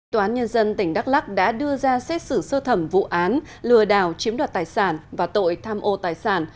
tòa án nhân dân tỉnh đắk lắc đã đưa ra xét xử sơ thẩm vụ án lừa đảo chiếm đoạt tài sản và tội tham ô tài sản